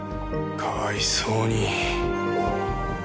かわいそうに。